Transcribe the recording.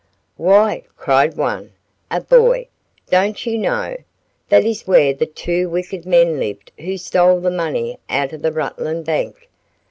"Why," cried one, a boy, "don't you know? That is where the two wicked men lived who stole the money out of the Rutland bank.